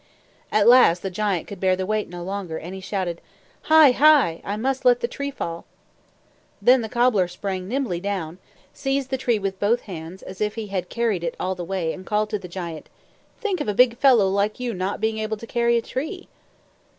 At last the giant could bear the weight no longer, and he shouted, "Hi, hi! I must let the tree fall." Then the cobbler sprang nimbly down, seized the tree with both hands, as if he had carried it all the way, and called to the giant, "Think of a big fellow like you not being able to carry a tree!"